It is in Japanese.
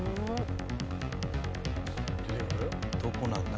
どこなんだ？